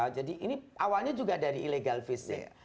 jadi ini awalnya juga dari illegal fishing